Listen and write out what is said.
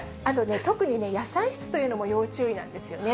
特にね、野菜室というのも要注意なんですよね。